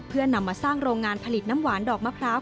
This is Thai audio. เพื่อนำมาสร้างโรงงานผลิตน้ำหวานดอกมะพร้าว